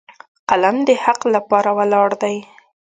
قلم د حق لپاره ولاړ دی